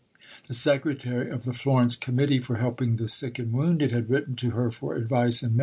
The Secretary of the "Florence Committee for helping the Sick and Wounded" had written to her for advice in May.